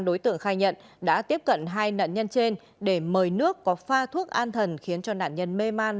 đối tượng khai nhận đã tiếp cận hai nạn nhân trên để mời nước có pha thuốc an thần khiến cho nạn nhân mê man